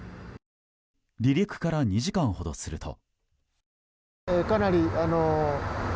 離陸から２時間ほどすると。